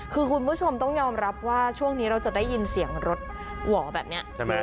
คือคุณผู้ชมต้องยอมรับว่าช่วงนี้เราจะได้ยินเสียงรถหว่อแบบนี้ใช่ไหม